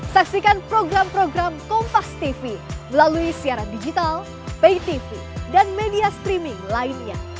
saksikan program program kompastv melalui siaran digital paytv dan media streaming lainnya